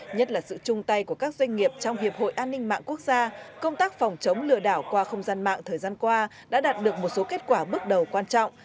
nhất là sự chung tay của các doanh nghiệp trong hiệp hội an ninh mạng quốc gia công tác phòng chống lừa đảo qua không gian mạng thời gian qua đã đạt được một số kết quả bước đầu quan trọng